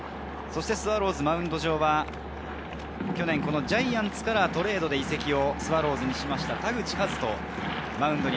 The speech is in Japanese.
そしてスワローズのマウンド上は去年、ジャイアンツからトレードで移籍をスワローズにした田口麗斗。